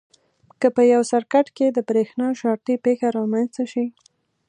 که په یو سرکټ کې د برېښنا شارټي پېښه رامنځته شي.